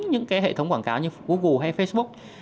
những hệ thống quảng cáo như google hay facebook